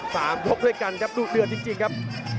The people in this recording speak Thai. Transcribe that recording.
๓ตกด้วยกันครับดูเดือนจริงครับ